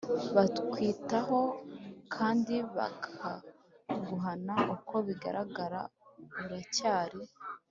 bakwitaho kandi bakaguhana Uko bigaragara uracyari